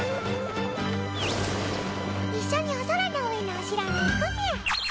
一緒にお空の上のお城に行くみゃ。